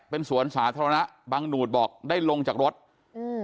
เป็นสวนสาธารณะบางหนูดบอกได้ลงจากรถอืม